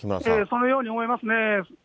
そのように思いますね。